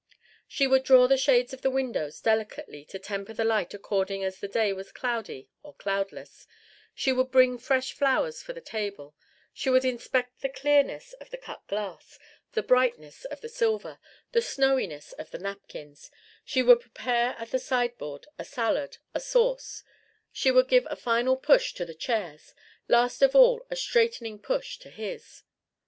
She would draw the shades of the windows delicately to temper the light according as the day was cloudy or cloudless; she would bring fresh flowers for the table; she would inspect the clearness of the cut glass, the brightness of the silver, the snowiness of the napkins; she would prepare at the sideboard a salad, a sauce; she would give a final push to the chairs last of all a straightening push to his.